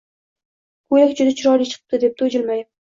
Ko`ylak juda chiroyli chiqibdi dedi u jilmayib